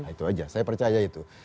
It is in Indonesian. nah itu aja saya percaya itu